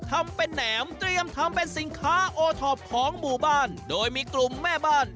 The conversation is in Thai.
ทำเป็นแหนมเตรียมทำเป็นสินค้าโอท็อปของหมู่บ้านโดยมีกลุ่มแม่บ้าน